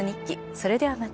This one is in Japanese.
それではまた。